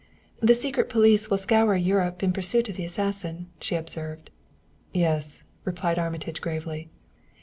"The secret police will scour Europe in pursuit of the assassin," she observed. "Yes," replied Armitage gravely.